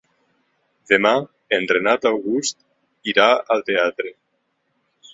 Demà en Renat August irà al teatre.